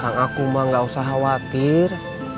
kan aku mah nggak usah khawatir